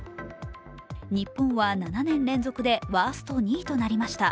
日本は７年連続でワースト２位となりました。